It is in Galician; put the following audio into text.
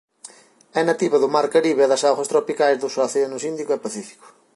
É nativa do mar Caribe e das augas tropicais dos océanos Índico e Pacífico.